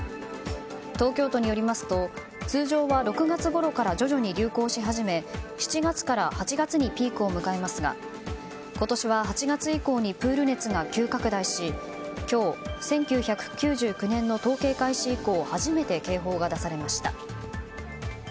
東京都によりますと通常は６月ごろから徐々に流行し始め７月から８月にピークを迎えますが今年は８月以降にプール熱が急拡大し今日、１９９９年の統計開始以降初めて警報が出されました。